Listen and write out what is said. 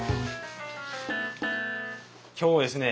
今日ですね